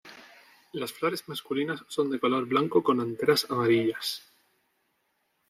Las flores masculinas son de color blanco con anteras amarillas.